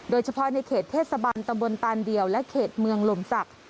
โดยเฉพาะในเขตเทศบาลตำบลตานเดียวและเขตเมืองลมศักดิ์